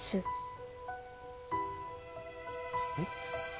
えっ？